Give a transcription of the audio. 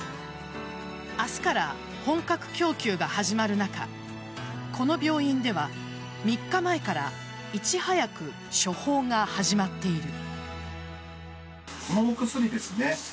明日から本格供給が始まる中この病院では３日前からいち早く処方が始まっている。